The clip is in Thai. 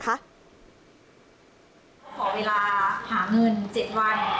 เขาขอเวลาหาเงิน๗วัน